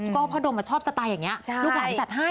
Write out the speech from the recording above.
ก็พ่อดมชอบสไตล์อย่างนี้ลูกหลานจัดให้